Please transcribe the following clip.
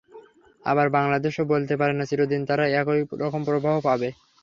আবার বাংলাদেশও বলতে পারে না, চিরদিন তারা একই রকম প্রবাহ পাবে।